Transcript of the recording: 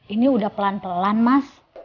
ini udah pelan pelan mas